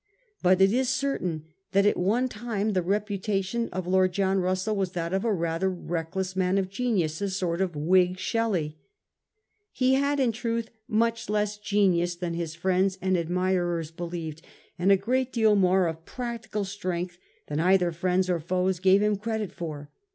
But it is certain that at one time the reputation of Lord John Russell was that of a rather reckless man of genius, a sort of Whig Shelley. He had in truth much less genius than Ms friends and admirers believed, and a great deal more of practical strength than either friends or foes gave him credit for.